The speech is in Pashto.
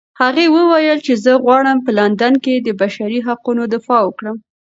هغې وویل چې زه غواړم په لندن کې د بشري حقونو دفاع وکړم.